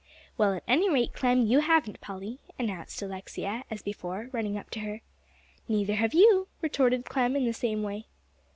"Well, at any rate, Clem, you haven't Polly," announced Alexia as before, running up to her. "Neither have you," retorted Clem, in the same way.